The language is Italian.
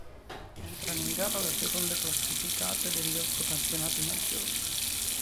Entrano in gara le seconde classificate degli otto campionati maggiori.